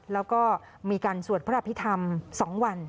แล้วก็มีการสวดพระอภิษฐรรม๒วัน